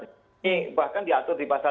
ini bahkan diatur di pasal tiga puluh enam